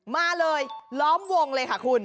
มาเลยล้อมวงเลยค่ะคุณ